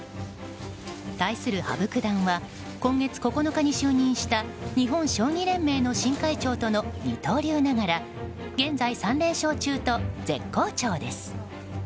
対する羽生九段は今月９日に就任した日本将棋連盟会長との二刀流ながら現在３連勝中と絶好調です。